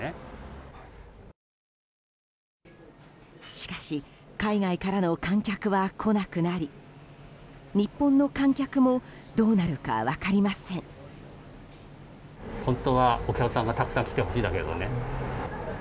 しかし海外からの観客は来なくなり日本の観客もどうなるか分かりません。